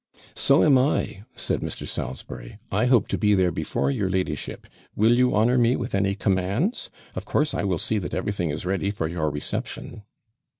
'So am I,' said Mr. Salisbury. 'I hope to be there before your ladyship; will you honour me with any commands! of course, I will see that everything is ready for your reception.'